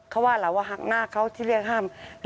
เขาว่าเหล่าว่าหักหน้าเขาที่เรียก๕หมื่น